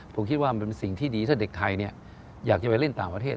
ผมคิดว่ามันเป็นสิ่งที่ดีถ้าเด็กไทยอยากจะไปเล่นต่างประเทศ